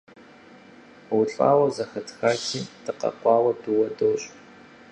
УлӀауэ зэхэтхати, дыкъэкӀуауэ дыуэ дощӀ.